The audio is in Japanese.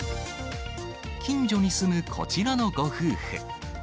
近所に住むこちらのご夫婦。